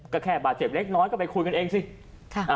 ก็แค่บาดเจ็บเล็กน้อยก็ไปคุยกันเองสิ